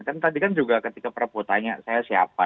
kan tadi kan juga ketika prabowo tanya saya siapa